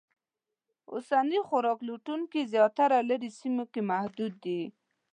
اوسني خوراک لټونکي زیاتره لرې سیمو کې محدود دي.